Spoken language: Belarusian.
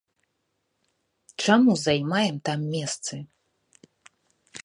Чаму займаем там месцы?